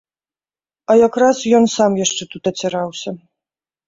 А якраз ён сам яшчэ тут аціраўся.